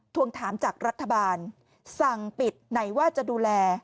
ทวงถามจากรัฐบาลสั่งปิดไหนว่าจะดูแล